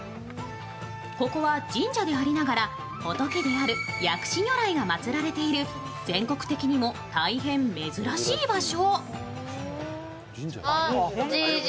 ここは神社でありながら、仏である薬師如来が祭られている全国的にも大変珍しい場所。